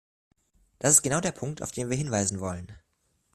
Das ist genau der Punkt, auf den wir hinweisen wollen.